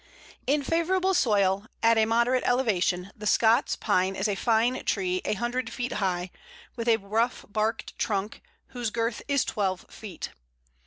In favourable soil, at a moderate elevation, the Scots Pine is a fine tree a hundred feet high, with a rough barked trunk, whose girth is twelve feet.